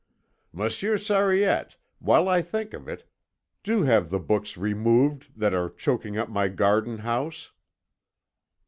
"Monsieur Sariette, while I think of it, do have the books removed that are choking up my garden house."